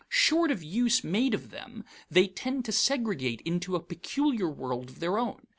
Short of use made of them, they tend to segregate into a peculiar world of their own.